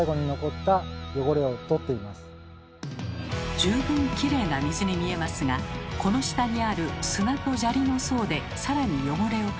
十分きれいな水に見えますがこの下にある砂と砂利の層で更に汚れを取るそうです。